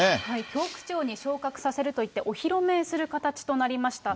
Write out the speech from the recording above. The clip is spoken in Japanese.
教区長に昇格させると言って、お披露目する形となりました。